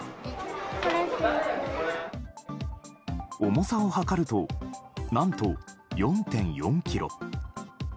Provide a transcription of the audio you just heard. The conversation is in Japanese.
重さを量ると何と４．４ｋｇ。